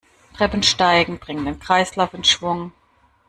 Treppensteigen bringt den Kreislauf in Schwung.